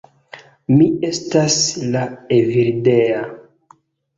Mi estas la Evildea.